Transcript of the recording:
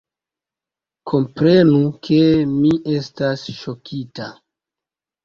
Komprenu, ke mi estas ŝokita!